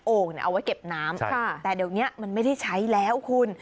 เอาไว้เก็บน้ำแต่เดี๋ยวนี้มันไม่ได้ใช้แล้วคุณ